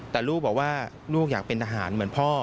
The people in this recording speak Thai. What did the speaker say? แต่ลูกบอกว่าลูกอยากเป็นทหารเหมือนพ่อ